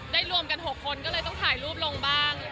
รวมกัน๖คนก็เลยต้องถ่ายรูปลงบ้าง